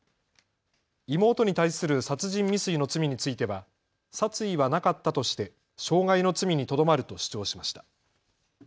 妹に対する殺人未遂の罪については殺意はなかったとして傷害の罪にとどまると主張しました。